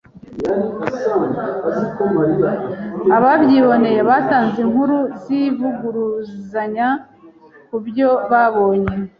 Ababyiboneye batanze inkuru zivuguruzanya kubyo babonye.